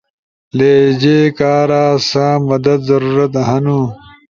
لہجے کارا سا مدد ضرورت ہنو؟